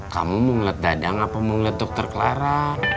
kamu mau ngeliat dadang apa mau ngeliat dokter klara